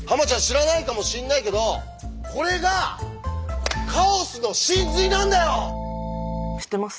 知らないかもしんないけどこれがカオスの神髄なんだよ！